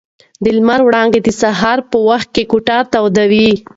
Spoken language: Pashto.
د لمر وړانګې د سهار په وخت کې کوټه تودوي.